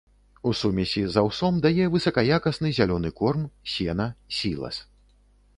У сумесі з аўсом дае высакаякасны зялёны корм, сена, сілас.